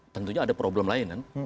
tentunya ada problem lain